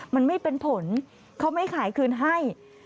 มันไม่เป็นผลเขาไม่ขายคืนให้